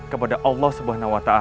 kepada allah subhanahu wa ta'ala